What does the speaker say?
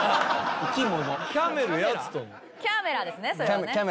キャメラですねそれはね。